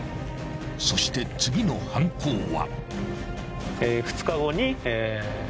［そして次の犯行は？］